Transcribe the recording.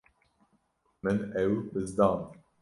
Min ew bizdand.